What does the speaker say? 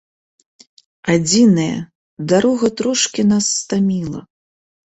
Адзінае, дарога трошкі нас стаміла.